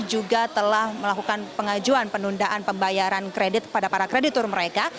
juga telah melakukan pengajuan penundaan pembayaran kredit kepada para kreditur mereka